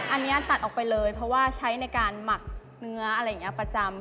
อันนี้ตัดออกไปเลยเพราะว่าใช้ในการหมักเนื้ออะไรอย่างนี้ประจำ